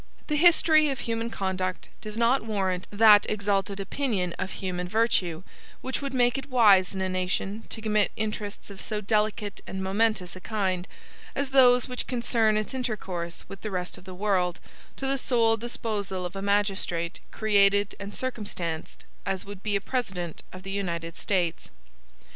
The history of human conduct does not warrant that exalted opinion of human virtue which would make it wise in a nation to commit interests of so delicate and momentous a kind, as those which concern its intercourse with the rest of the world, to the sole disposal of a magistrate created and circumstanced as would be a President of the United States.